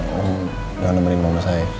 jangan ngemeringin mama saya